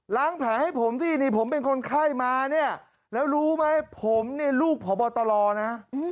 ล้างแผลให้ผมที่ผมเป็นคนไข้มาแล้วรู้ไหมผมลูกผ่อบอตรอนะ